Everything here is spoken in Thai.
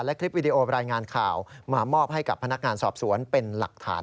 และคลิปวิดีโอรายงานข่าวมามอบให้กับพนักงานสอบสวนเป็นหลักฐาน